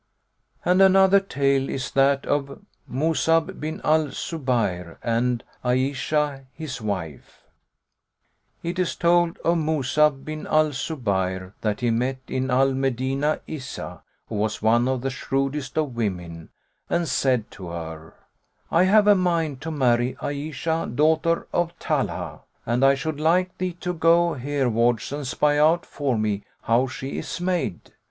And another tale is that of MUS'AB BIN AL ZUBAYR AND AYISHAH HIS WIFE It is told of Mus'ab bin al Zubayr[FN#111] that he met in Al Medinah Izzah, who was one of the shrewdest of women, and said to her, "I have a mind to marry Ayishah[FN#112] daughter of Talhah, and I should like thee to go herwards and spy out for me how she is made."